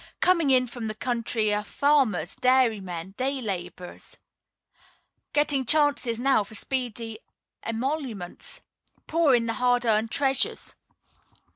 Coming in from the country are farmers, dairymen, day laborers. Great chances now for speedy emoluments. Pour in the hard earned treasures.